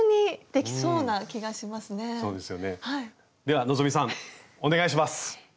では希さんお願いします。